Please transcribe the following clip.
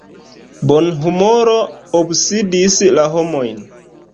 Bonhumoro obsedis la homojn.